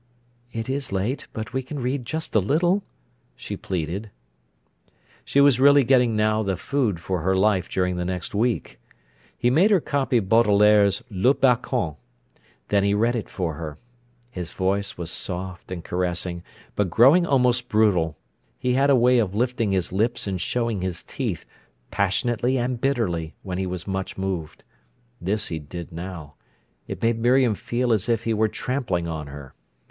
"It is late—but we can read just a little," she pleaded. She was really getting now the food for her life during the next week. He made her copy Baudelaire's "Le Balcon". Then he read it for her. His voice was soft and caressing, but growing almost brutal. He had a way of lifting his lips and showing his teeth, passionately and bitterly, when he was much moved. This he did now. It made Miriam feel as if he were trampling on her.